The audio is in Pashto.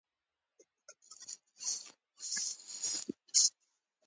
که په کور کې وي يوارې خو ورته غږ کړه !